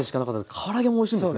から揚げもおいしいんですね。